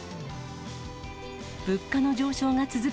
物価の上昇が続く